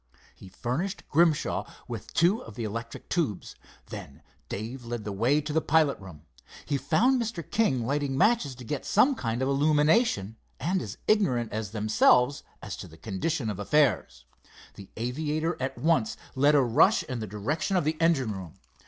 He furnished Grimshaw with two of the electric tubes. Then Dave led the way to the pilot room. He found Mr. King lighting matches to get some kind of illumination, and as ignorant themselves as to the condition of affairs. The aviator at once led a rush in the direction of the engine room.